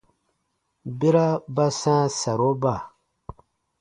Bera ba sãa saroba.